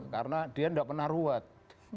karena dia enggak pernah ruwet